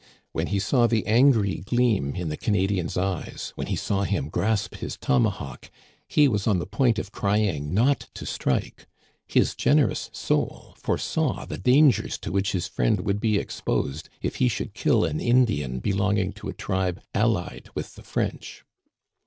When he saw the angry gleam in the Canadi an's eyes, when he saw him grasp his tomahawk, he was on the point of crying not to strike. His generous soul foresaw the dangers to which his friend would be ex posed if he should kill an Indian belonging to a tribe allied with the French.